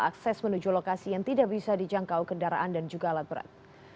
akses menuju lokasi yang tidak bisa dijangkau kendaraan dan juga alat berat